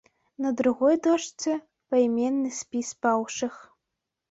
На другой дошцы пайменны спіс паўшых.